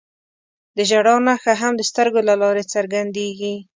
د ژړا نښه هم د سترګو له لارې څرګندېږي